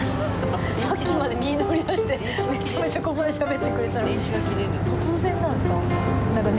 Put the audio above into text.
さっきまで身乗り出してめちゃめちゃここでしゃべってくれてたのに突然なんですか？